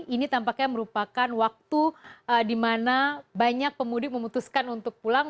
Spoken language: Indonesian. ini tampaknya merupakan waktu di mana banyak pemudik memutuskan untuk pulang